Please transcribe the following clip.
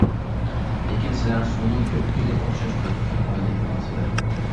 لېكىن سىلەر سۇنىڭ كۆپۈكىگە ئوخشاش كۆپۈككە ئايلىنىپ قالىسىلەر.